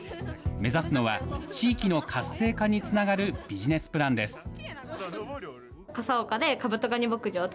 目指すのは地域の活性化につながるビジネスプランです。